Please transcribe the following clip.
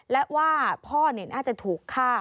และว่าพ่อน่าจะถูกฆ่า